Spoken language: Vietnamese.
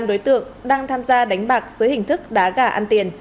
một mươi năm đối tượng đang tham gia đánh bạc dưới hình thức đá gà ăn tiền